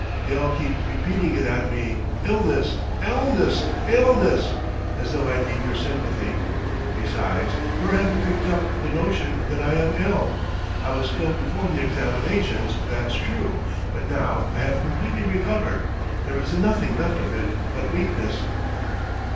They all keep repeating it at me: illness! illness! illness! ... As though I need your sympathy! Besides, where have you picked up the notion that I am ill? I was ill before the examinations, that's true, but now I have completely recovered, there is nothing left of it but weakness."